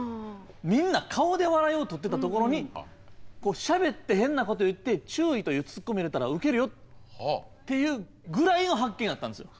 みんな顔で笑いをとってたところにしゃべって変なこと言って注意というツッコミを入れたらウケるよっていうぐらいの発見だったんですよ。